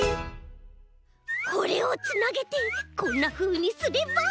これをつなげてこんなふうにすれば。